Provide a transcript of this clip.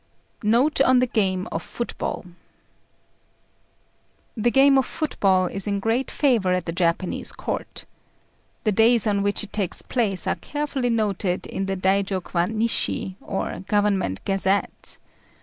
NOTE ON THE GAME OF FOOTBALL. The game of football is in great favour at the Japanese Court. The days on which it takes place are carefully noted in the "Daijôkwan Nishi," or Government Gazette.